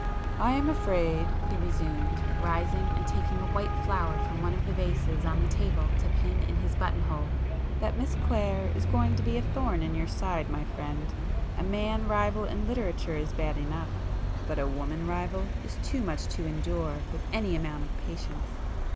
"I am afraid—" he resumed, rising and taking a white flower from one of the vases on the table to pin in his button hole—"that Miss Clare is going to be a thorn in your side, my friend! A man rival in literature is bad enough,—but a woman rival is too much to endure with any amount of patience!